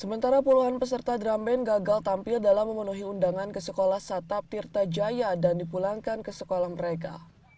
sementara puluhan peserta drum band gagal tampil dalam memenuhi undangan ke sekolah satap tirta jaya dan dipulangkan ke sekolah mereka